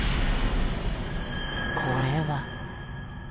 これは。